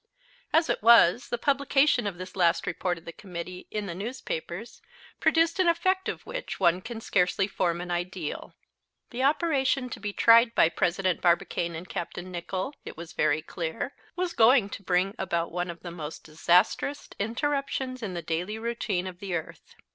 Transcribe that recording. As it was, the publication of this last report of the Committee in the newspapers produced an effect of which one can scarcely form an ideal. The operation to be tried by President Barbicane and Capt. Nicholl, it was very clear, was going to bring about one of the most disastrous interruptions in the daily routine of the earth.